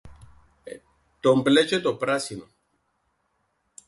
Το μπλε τζ̆αι το πράσινον...